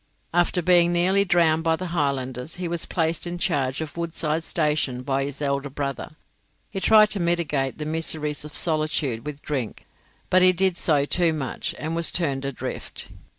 After being nearly drowned by the Highlanders he was placed in charge of Woodside station by his elder brother; he tried to mitigate the miseries of solitude with drink, but he did so too much and was turned adrift.